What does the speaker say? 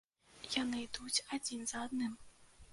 Яны ідуць адзін за адным.